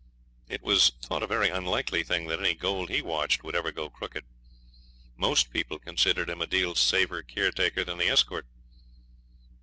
It was thought a very unlikely thing that any gold he watched would ever go crooked. Most people considered him a deal safer caretaker than the escort.